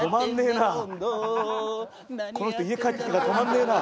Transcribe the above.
この人家帰ってきてから止まんねえな。